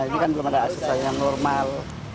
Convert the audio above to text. ini kan belum ada aset jalan yang normal